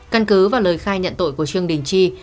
căn cứ và lời khai nhận tội của trương đình chi